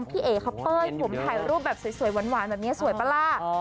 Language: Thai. ผมถ่ายรูปแบบสวยหวานแบบนี้สวยปลาร่า